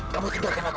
kamu sudah akan aku